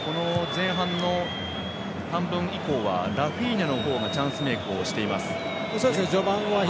前半の半分以降はラフィーニャがチャンスメークをしています。